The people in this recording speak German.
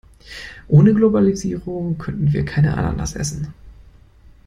Ohne Globalisierung könnten wir keine Ananas essen.